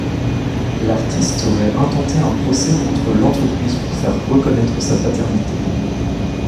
L'artiste aurait intenté un procès contre l'entreprise pour faire reconnaître sa paternité.